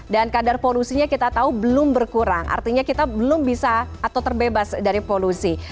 dan kadar polusinya kita tahu belum berkurang artinya kita belum bisa atau terbebas dari polusi